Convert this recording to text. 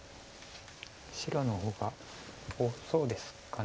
白の方が多そうですか。